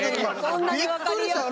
びっくりしたわ。